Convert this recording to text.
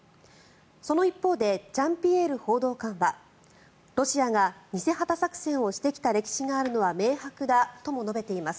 その一方でジャンピエール報道官はロシアが偽旗作戦をしてきた歴史があるのは明白だとも述べています。